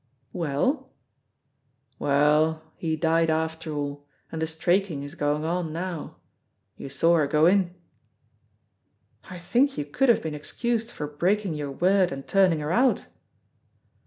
"Well?" "Well, he died after all, and the straiking is going on now. You saw her go in." "I think you could have been excused for breaking your word and turning her out."